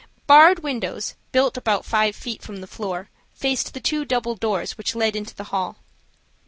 Barred windows, built about five feet from the floor, faced the two double doors which led into the hall.